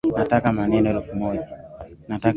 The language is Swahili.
Nataka maneno elfu moja